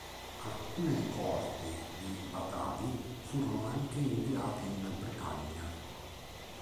Alcune coorti di Batavi furono anche inviate in Britannia.